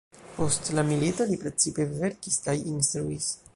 Post la milito li precipe verkis kaj instruis.